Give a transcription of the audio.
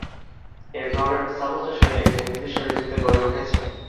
এর ঘরের স্থাপত্যশৈলী একটি নির্দিষ্ট রীতিতে গড়ে উঠেছে।